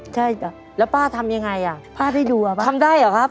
ใช่จ้ะแล้วป้าทำยังไงอ่ะป้าได้ดูอ่ะป้าทำได้เหรอครับ